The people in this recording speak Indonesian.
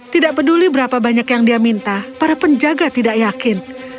tidak peduli berapa banyak yang dia minta para penjaga tidak yakin